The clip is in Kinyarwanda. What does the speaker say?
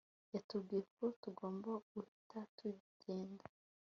Yatubwiye ko tugomba guhita tugenda